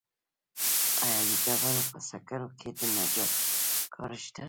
آیا د ډبرو په سکرو کې د نجار کار شته